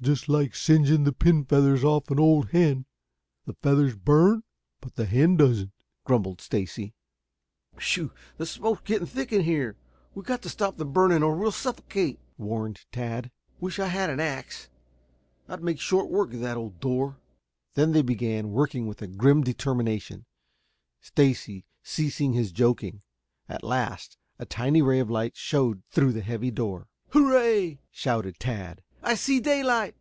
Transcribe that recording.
"Just like singeing the pin feathers off an old hen the feathers burn, but the hen doesn't," grumbled Stacy. "Whew! the smoke's getting thick in here. We've got to stop the burning or we'll suffocate," warned Tad. "Wish I had an ax. I'd make short work of the old door." They then began working with a grim determination, Stacy ceasing his joking. At last a tiny ray of light showed through the heavy door. "Hurrah!" shouted Tad. "I see daylight."